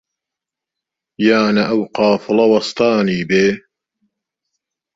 یا نە ئەو قافڵە وەستانی بێ؟